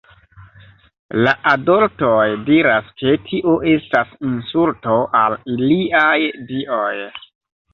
La adoltoj diras, ke tio estas insulto al iliaj dioj.